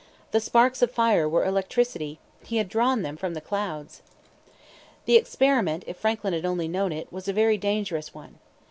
The sparks of fire were electricity; he had drawn them from the clouds. That experiment, if Franklin had only known it, was a very dangerous one.